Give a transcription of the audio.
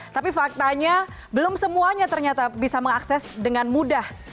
tapi faktanya belum semuanya ternyata bisa mengakses dengan mudah